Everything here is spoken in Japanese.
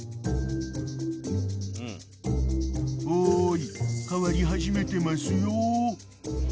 ［おい変わり始めてますよ］